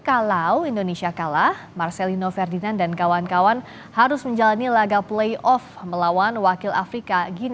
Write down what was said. saya ingin mengucapkan selamat menang ke uzebakistan